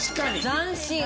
斬新。